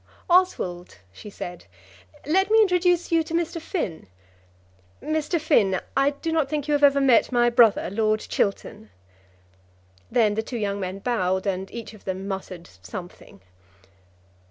"Oswald," she said, "let me introduce you to Mr. Finn. Mr. Finn, I do not think you have ever met my brother, Lord Chiltern." Then the two young men bowed, and each of them muttered something.